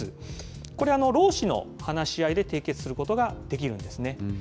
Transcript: これ労使の話し合いで締結することができるんですね。